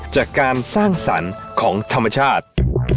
จากการสร้างสรรค์ของธรรมชาติ